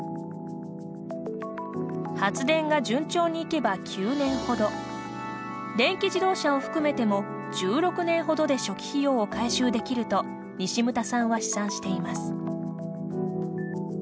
発電が順調にいけば９年ほど電気自動車を含めても１６年ほどで初期費用を回収できると西牟田さんは試算しています。